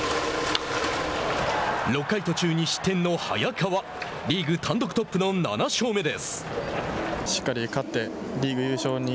６回途中２失点の早川リーグ単独トップの７勝目です。